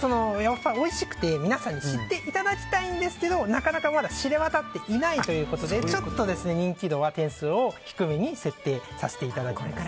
おいしくて皆さんに知っていただきたいんですけどなかなか、まだ知れ渡っていないということでちょっと人気度は点数を低めに設定させていただきました。